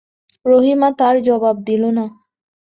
রহিমা তার জবাব দিল না।